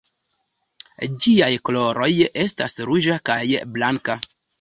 Ĝiaj koloroj estas ruĝa kaj blanka.